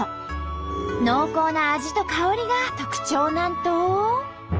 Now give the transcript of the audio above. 濃厚な味と香りが特徴なんと！